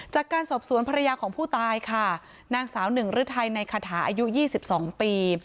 จากการสอบสวนภรรยาของผู้ตายค่ะนางสาวหนึ่งฤทัยในคาถาอายุ๒๒ปี